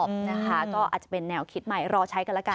นะคะก็อาจจะเป็นแนวคิดใหม่รอใช้กันแล้วกัน